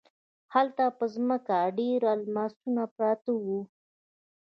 هلته په ځمکه ډیر الماسونه پراته وو.